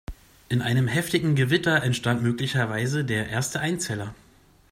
In einem heftigen Gewitter entstand möglicherweise der erste Einzeller.